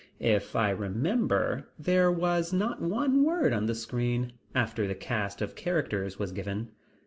If I remember, there was not one word on the screen, after the cast of characters was given.